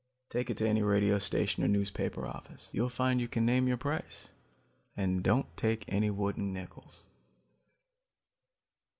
Take it to any radio station or newspaper office. You'll find you can name your price and don't take any wooden nickels.